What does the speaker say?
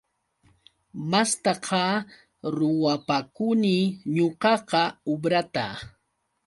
Mastaqa ruwapakuni ñuqaqa ubrata.